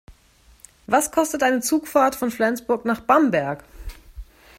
Was kostet eine Zugfahrt von Flensburg nach Bamberg?